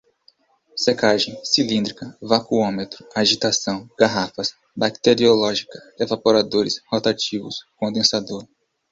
secagem, cilíndrica, vacuômetro, agitação, garrafas, bacteriológica, evaporadores, rotativos, condensador